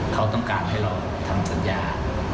เขาต้องการให้เราทำสัญญา